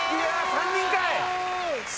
３人かい。